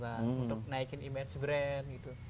untuk naikin image brand gitu